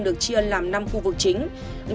được chia làm năm khu vực chính